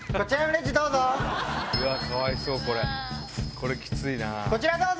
これきついな。